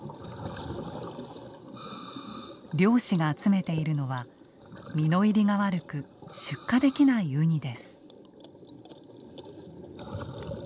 漁師が集めているのは身の入りが悪く出荷できないウニです。